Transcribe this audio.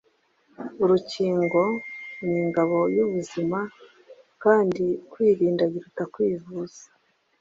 Urukingo ni ingabo y’ubuzima, kandi “kwirinda biruta kwivuza.”